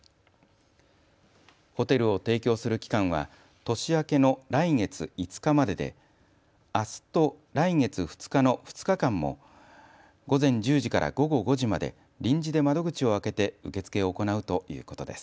ホテルを提供する期間は年明けの来月５日までであすと来月２日の２日間も午前１０時から午後５時まで臨時で窓口を開けて受け付けを行うということです。